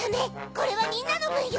これはみんなのぶんよ！